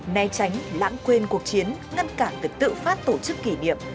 né tránh lãng quên cuộc chiến ngăn cản việc tự phát tổ chức kỷ niệm